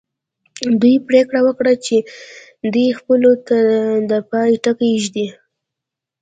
دوی پرېکړه وکړه چې دې خپلوۍ ته د پای ټکی ږدي